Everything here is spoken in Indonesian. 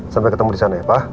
sampai ketemu disana ya pak